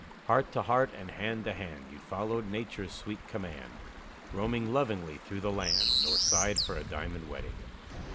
Heart to heart, and hand to hand, You followed Nature's sweet command, Roaming lovingly through the land, Nor sighed for a Diamond Wedding.